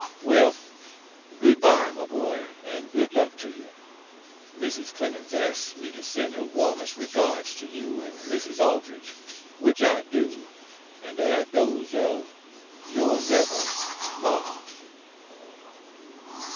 Well, good bye, my boy, and good luck to you. Mrs. Clemens asks me to send her warmest regards to you and Mrs. Aldrich which I do, and add those of Yrs ever MARK.